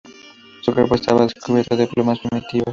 Su cuerpo estaba cubierto de plumas primitivas.